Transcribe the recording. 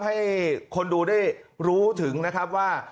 ให้คนดูได้รู้ถึงนะครับว่า